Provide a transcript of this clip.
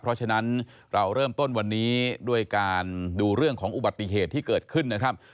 เพราะฉะนั้นเราเริ่มต้นวันนี้ด้วยการดูเรื่องของอุบัติเหตุที่เกิดขึ้นนะครับ